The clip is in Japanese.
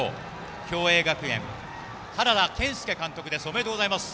共栄学園、原田健輔監督ですおめでとうございます。